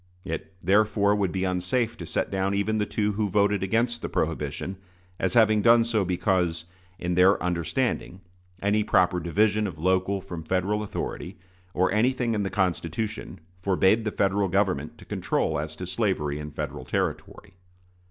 It, therefore, would be unsafe to set down even the two who voted against the prohibition as having done so because, in their understanding, any proper division of local from Federal authority, or anything in the Constitution, forbade the Federal Government to control as to slavery in Federal territory.